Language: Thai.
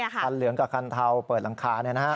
คันเหลืองกับคันเทาเปิดหลังคาเนี่ยนะครับ